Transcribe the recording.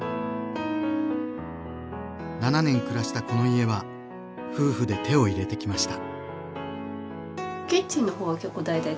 ７年暮らしたこの家は夫婦で手を入れてきました。